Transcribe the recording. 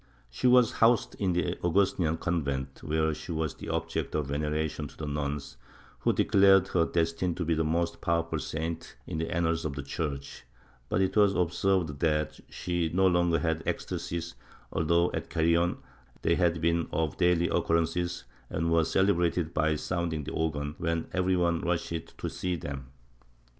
She was housed in the Augustinian convent, where she was the object of veneration to the nuns, who declared her destined to be the most powerful saint in the annals of the Church; but it was observed that she no longer had ecstasies, although at Carrion they had been of daily occurrence and were celebrated by sounding the organ, when everyone rushed to see them.